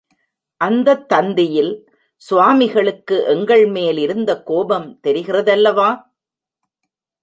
அந்தத் தந்தியில் சுவாமிகளுக்கு எங்கள்மேல் இருந்த கோபம் தெரிகிறதல்லவா?